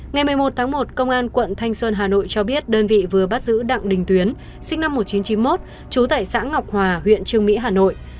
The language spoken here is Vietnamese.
ngày một mươi một tháng một công an quận thanh xuân hà nội cho biết đơn vị vừa bắt giữ đặng đình tuyến sinh năm một nghìn chín trăm chín mươi một trú tại xã ngọc hòa huyện trương mỹ hà nội